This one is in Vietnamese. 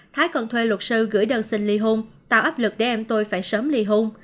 thái còn thuê luật sư gửi đơn xin ly hôn tạo áp lực để em tôi phải sớm ly hôn